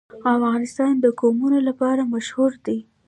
افغانستان د قومونه لپاره مشهور دی.